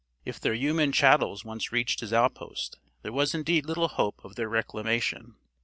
If their human chattels once reached his outpost, there was indeed little hope of their reclamation.